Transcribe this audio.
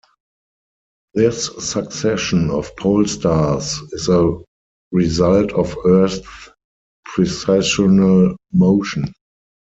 This succession of pole stars is a result of Earth's precessional motion.